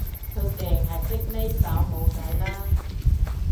佢淨係識呢首冇計啦